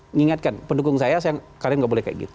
mengingatkan pendukung saya kalian nggak boleh kayak gitu